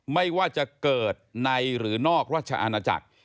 ไม่ว่าจะเกิดในหรือนอกราชอาณาจักร